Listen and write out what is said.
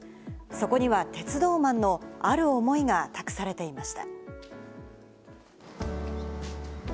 そこには鉄道マンのある思いが託されていました。